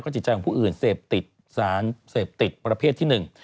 จิตใจของผู้อื่นเสพติดสารเสพติดประเภทที่หนึ่ง